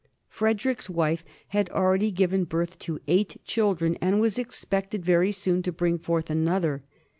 Frederick's wife had already given birth to eight children, and was expected very soon to bring forth another.